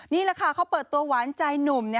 นี่แหละค่ะเขาเปิดตัวหวานใจหนุ่ม